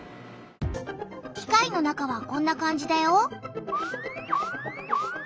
機械の中はこんな感じだよ。